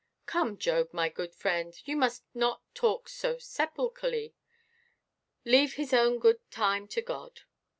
"Come, Job, my good friend, you must not talk so sepulchrally. Leave His own good time to God."